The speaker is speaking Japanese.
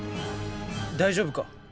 大丈夫か？